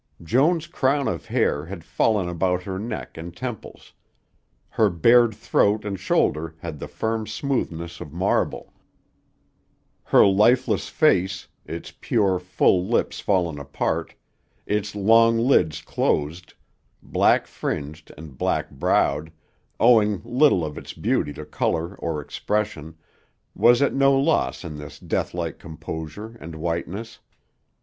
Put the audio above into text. Joan's crown of hair had fallen about her neck and temples. Her bared throat and shoulder had the firm smoothness of marble, her lifeless face, its pure, full lips fallen apart, its long lids closed, black fringed and black browed, owing little of its beauty to color or expression, was at no loss in this deathlike composure and whiteness.